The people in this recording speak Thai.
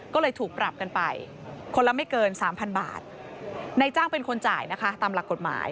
ก็เลยถูกปรับกันไปคนละไม่เกินสามพันบาทนายจ้างเป็นคนจ่ายนะคะตามหลักกฎหมาย